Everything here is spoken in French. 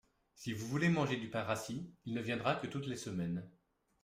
Si vous voulez manger du pain rassis, il ne viendra que toutes les semaines.